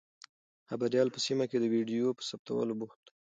خبریال په سیمه کې د ویډیو په ثبتولو بوخت دی.